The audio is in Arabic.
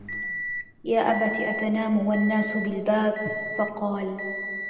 يَا أَبَتِ أَتَنَامُ وَالنَّاسُ بِالْبَابِ ؟ فَقَالَ